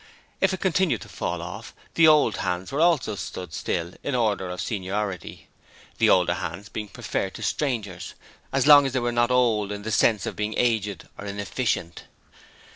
If it continued to fall off, the old hands were also stood still in order of seniority, the older hands being preferred to strangers so long, of course, as they were not old in the sense of being aged or inefficient.